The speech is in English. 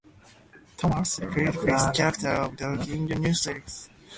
Thomas reprised the character of Doug in the new series.